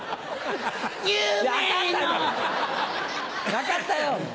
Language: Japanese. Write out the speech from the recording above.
分かったよ。